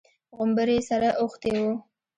غومبري يې سره اوښتي وو.